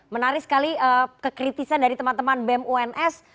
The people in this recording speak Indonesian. menarik sekali kekritisan dari teman teman bem uns